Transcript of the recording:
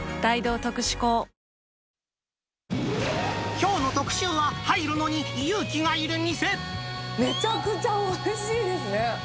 きょうの特集は、めちゃくちゃおいしいですね。